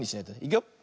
いくよ。